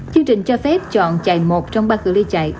chương trình cho phép chọn chạy một trong ba cửa ly chạy